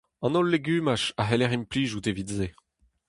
An holl legumaj a c'heller implijout evit se.